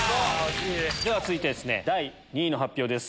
続いて第２位の発表です。